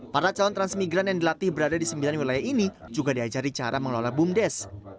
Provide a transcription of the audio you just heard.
para calon transmigran yang dilatih berada di sembilan wilayah ini juga diajari cara mengelola bumdes